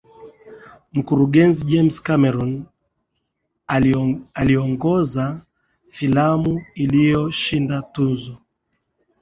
mkurugenzi james cameron aliongoza filamu iliyoshinda tuzo